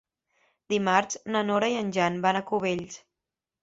Dimarts na Nora i en Jan van a Cubells.